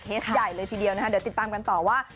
ใหญ่เลยทีเดียวนะคะเดี๋ยวติดตามกันต่อว่า